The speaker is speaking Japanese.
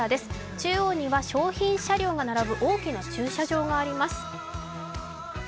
中央には商品車両が並ぶ大きな駐車場があります。